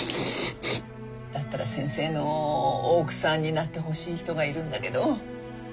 だったら先生の奥さんになってほしい人がいるんだけど。